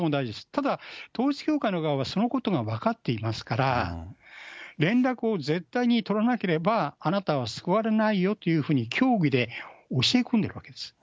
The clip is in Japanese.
ただ統一教会の側はそのことが分かっていますから、連絡を絶対に取らなければあなたは救われないよというふうに教義で教え込んでるわけです。